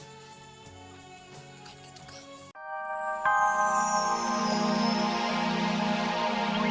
untuk sementara kayaknya fatimah nggak ambil pekerjaan itu kak